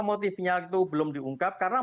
motifnya itu belum diungkap karena